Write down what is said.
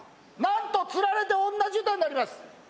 なんとつられて同じ歌になります！